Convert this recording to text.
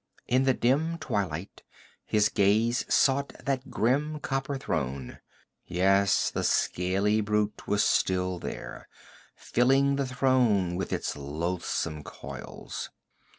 In the dim twilight his gaze sought that grim copper throne; yes, the scaly brute was still there, filling the throne with its loathsome coils.